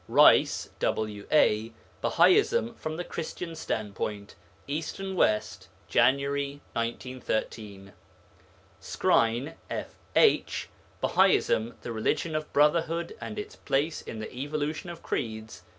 RICE, W. A. 'Bahaism from the Christian Standpoint,' East and West, January 1913. SKRINE, F. H. _Bahaism, the Religion of Brotherhood and its place in the Evolution of Creeds.